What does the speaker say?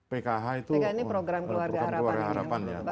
pkh itu program keluarga harapan ya